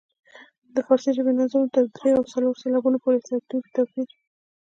د فارسي ژبې نظمونو تر دریو او څلورو سېلابونو پورې توپیر.